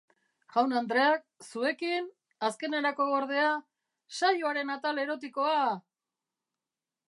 Jaun-andreak, zuekin, azkenerako gordea, saioaren atal erotikoa!